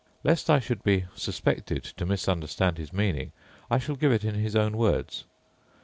Lest I should be suspected to misunderstand his meaning, I shall give it in his own words.